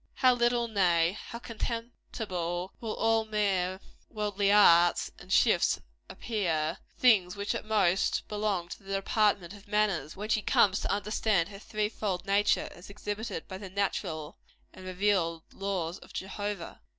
How little, nay, how contemptible will all mere worldly arts and shifts appear things which at most belong to the department of manners when she comes to understand her three fold nature, as exhibited by the natural and revealed laws of Jehovah!